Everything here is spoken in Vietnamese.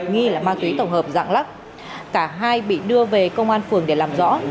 nghi là ma túy tổng hợp dạng lắc cả hai bị đưa về công an phường để làm rõ